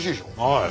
はい。